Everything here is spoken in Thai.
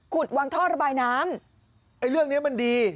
คุณวางท่อระบายน้ำ